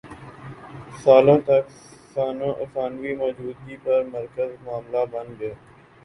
سالوں تک ثانوی موجودگی پر مرکزی معاملہ بن گئے